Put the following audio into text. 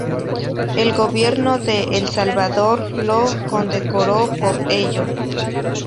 El gobierno de El Salvador lo condecoró por ello.